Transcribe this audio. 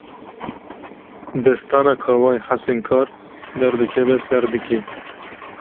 Destana Kawayê Hesinkar, derdikeve ser dikê